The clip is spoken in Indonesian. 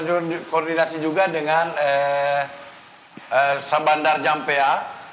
juga koordinasi juga dengan samandar jampia